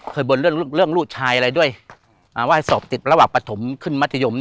บ่นเรื่องลูกชายอะไรด้วยว่าให้สอบติดระหว่างปฐมขึ้นมัธยม